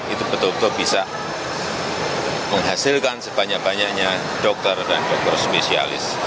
itu betul betul bisa menghasilkan sebanyak banyaknya dokter dan dokter spesialis